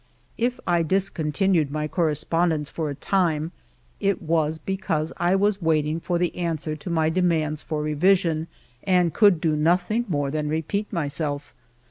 If I discontinued my correspond ence for a time, it was because I was waiting for the answer to my demands for revision and could do nothing more than repeat myself.